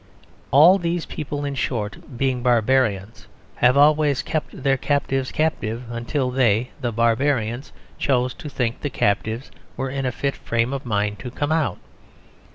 All these people, in short, being barbarians, have always kept their captives captive until they (the barbarians) chose to think the captives were in a fit frame of mind to come out.